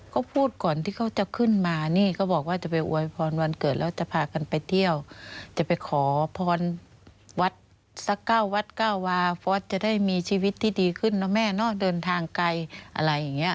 ก็พูดก่อนที่เขาจะขึ้นมานี่เขาบอกว่าจะไปอวยพรวันเกิดแล้วจะพากันไปเที่ยวจะไปขอพรวัดสักเก้าวัดเก้าวาฟอสจะได้มีชีวิตที่ดีขึ้นนะแม่นอกเดินทางไกลอะไรอย่างนี้